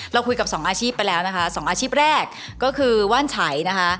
เราคุยกับสองอาชีพไปแล้วนะคะสองอาชีพแรกก็คือว่านฉัยนะคะ